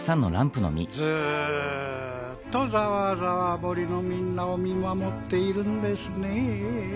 ずっとざわざわ森のみんなをみまもっているんですねえええええ。